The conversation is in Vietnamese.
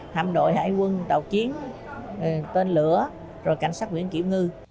hạm đội hải quân tàu chiến tên lửa rồi cảnh sát biển kiểm ngư